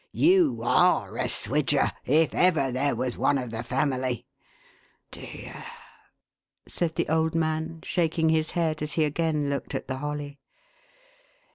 " You ARE a Swidger, if ever there was one of the family !""" Dear !" said the old man, shaking his head as he again looked at the holly.